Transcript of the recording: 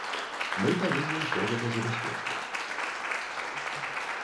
Мы павінны ўсё гэта забяспечваць.